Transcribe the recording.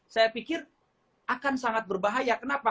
saya pikir akan sangat berbahaya kenapa